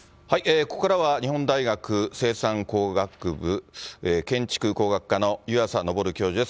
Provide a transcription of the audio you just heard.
ここからは日本大学生産工学部建築工学科の湯浅昇教授です。